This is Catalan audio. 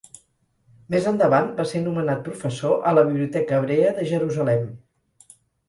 Més endavant va ser nomenat professor a la Biblioteca Hebrea de Jerusalem.